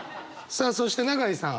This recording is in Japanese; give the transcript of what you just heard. さあそして永井さん。